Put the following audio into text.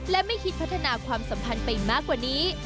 และไม่คิดพัฒนาความสัมพันธ์ไปมากกว่านี้